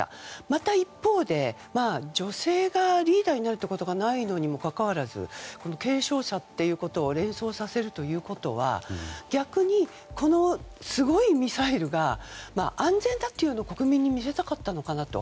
また一方で女性がリーダーになるということがないのにもかかわらず継承者ということを連想させるということは逆に、このすごいミサイルが安全だっていうのを国民に見せたかったのかなと。